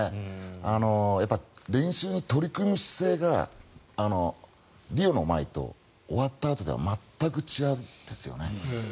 やっぱり練習に取り組む姿勢がリオの前と終わったあとでは全く違うんですよね。